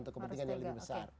untuk kepentingan yang lebih besar